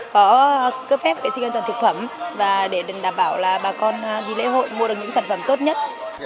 có cấp phép vệ sinh an toàn thực phẩm và để đảm bảo là bà con đi lễ hội mua được những sản phẩm tốt nhất